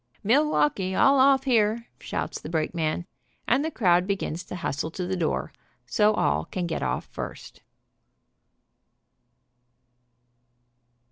"Milwaukee, all off here," shouts the brakeman, and the crowd begins to hustle to the door, so all can get off first.